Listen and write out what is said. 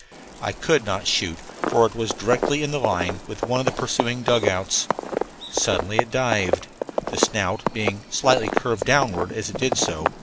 I could not shoot, for it was directly in line with one of the pursuing dugouts. Suddenly it dived, the snout being slightly curved downward as it did so.